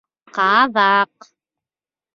Ҡаҙаҡ!